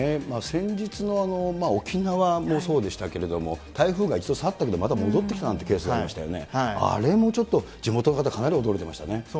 先日の沖縄もそうでしたけれども、台風が一度去ったあと、また戻ってきたというようなケースがありましたよね、あれもちょっと地元の方、かなり驚いてましたね。